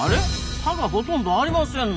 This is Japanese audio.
歯がほとんどありませんな！